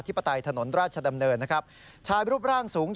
ปไตยถนนราชดำเนินนะครับชายรูปร่างสูง